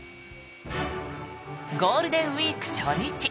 ゴールデンウィーク初日。